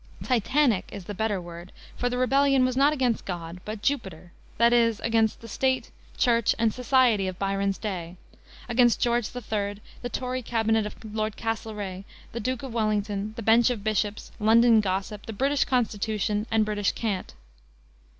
Titanic is the better word, for the rebellion was not against God, but Jupiter, that is, against the State, Church, and society of Byron's day; against George III., the Tory cabinet of Lord Castlereigh, the Duke of Wellington, the bench of Bishops, London gossip, the British Constitution, and British cant.